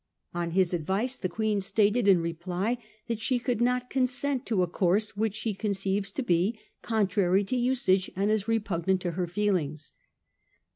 On Ms advice the Queen stated in reply that she could not 'consent to a course which she conceives to be contrary to usage and is repugnant to her feelings.